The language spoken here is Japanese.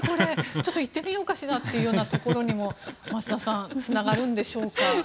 ちょっと行ってみようかしらとも増田さんつながるんでしょうか。